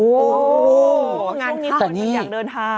โอ้โหช่วงนี้คนก็อยากเดินทาง